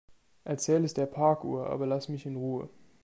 Erzähl es der Parkuhr, aber lass mich in Ruhe.